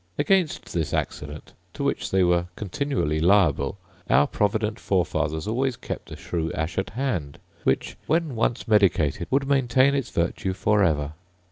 Against this accident, to which they were continually liable, our provident fore fathers always kept a shrew ash at hand, which, when once medicated, would maintain its virtue for ever.